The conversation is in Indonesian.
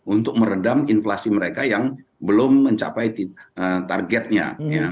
untuk meredam inflasi mereka yang belum mencapai targetnya